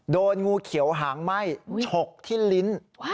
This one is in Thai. โดนงูเขียวหางไหม้ฉกที่ลิ้น